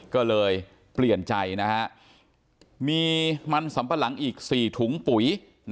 ก็เลยเปลี่ยนใจนะฮะมีมันสำปะหลังอีก๔ถุงปุ๋ย